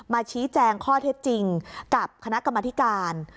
ชี้แจงข้อเท็จจริงกับคณะกรรมธิการ